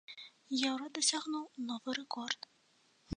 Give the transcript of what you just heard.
Еўра дасягнуў новы рэкорд.